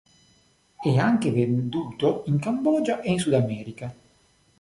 È anche venduto in Cambogia e in Sud America.